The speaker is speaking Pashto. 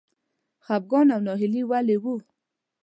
خپګان او ناهیلي ولې و؟